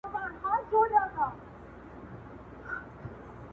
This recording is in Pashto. د هټلر د هغې نظریې